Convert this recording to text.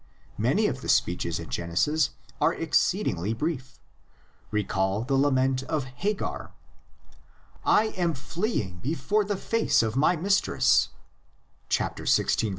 Many of the speeches in Genesis are exceedingly brief. Recall the lament of Hagar: "I am fleeing before the face of my mistress" (xvi.